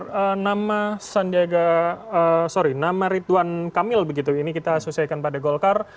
soal nama sandiaga sorry nama ridwan kamil begitu ini kita sesuaikan pada golkar